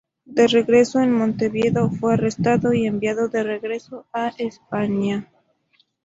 De regreso en Montevideo, fue arrestado y enviado de regreso a España.